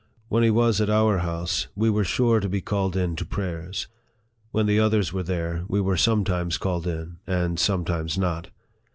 When he was at our house, we LIFE OF FREDERICK DOUGLASS. 55 were sure to be called in to prayers. When the others were there, we were sometimes called in and some times not.